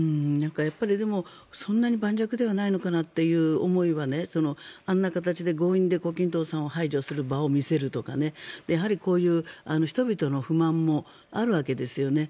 やっぱり、そんなに盤石ではないのかなという思いはあんな形で強引に胡錦涛さんを排除する場を見せるとかやはり、こういう人々の不満もあるわけですよね。